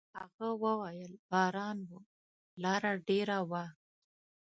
هغه وويل: «باران و، لاره ډېره وه.»